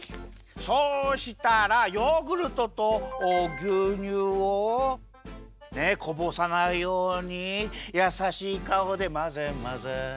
そうしたらヨーグルトとぎゅうにゅうをねっこぼさないようにやさしいかおでまぜまぜ。